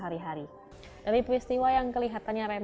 robin tak seperti lelaki kebanyakan